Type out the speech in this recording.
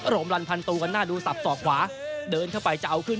รมรันพันตูกันหน้าดูสับสอกขวาเดินเข้าไปจะเอาขึ้น